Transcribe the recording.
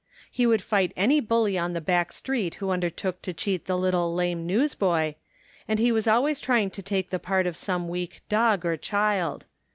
He would fight any bully on the back street who undertook to cheat the little lame newsboy, and he was always trying to take the part of some weak dog or child.